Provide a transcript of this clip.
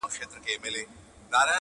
د رستمانو په نکلونو به ملنډي وهي!.